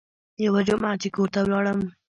يوه جمعه چې کور ته ولاړم.